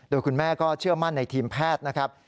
โดยคุณแม่ก็เชื่อมั่นในทีมแพทย์นะครับ